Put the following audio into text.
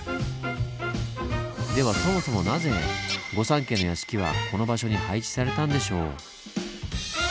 ではそもそもなぜ御三家の屋敷はこの場所に配置されたんでしょう？